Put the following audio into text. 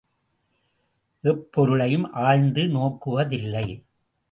எப்பொருளையும் ஆழ்ந்து நோக்குவதில்லை.